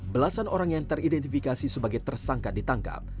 belasan orang yang teridentifikasi sebagai tersangka ditangkap